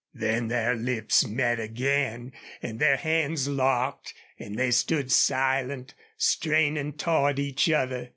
Then their lips met again and their hands locked, and they stood silent, straining toward each other.